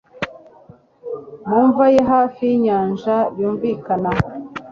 mu mva ye hafi y'inyanja yumvikana